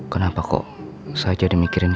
kenapa kok saya jadi mikirin